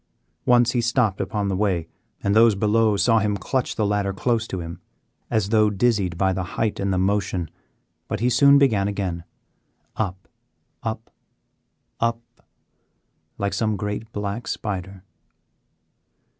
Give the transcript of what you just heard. Once he stopped upon the way, and those below saw him clutch the ladder close to him as though dizzied by the height and the motion but he soon began again, up, up, up like some great black spider.